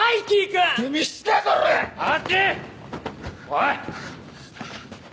おい！